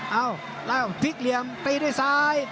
เอ้าเล่าพลิกเหลี่ยมตีด้วยซ้าย